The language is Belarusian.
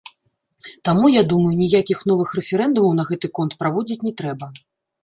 Таму, я думаю, ніякіх новых рэферэндумаў на гэты конт праводзіць не трэба.